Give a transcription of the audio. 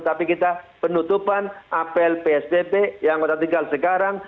tapi kita penutupan apel psdb yang sudah tinggal sekarang